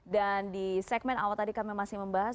dan di segmen awal tadi kami masih membahas